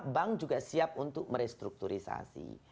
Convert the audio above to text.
bank juga siap untuk merestrukturisasi